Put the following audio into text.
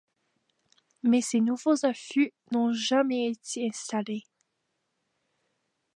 Mais ces nouveaux affûts n'ont jamais été installés.